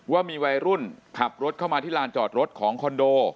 ว่ามีวัยรุ่นขับรถเข้ามาที่ลานจอดรถของคอนโด